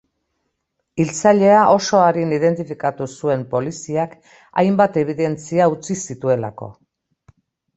Hiltzailea oso arin identifikatu zuen poliziak hainbat ebidentzia utzi zituelako.